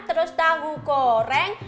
terus tahu goreng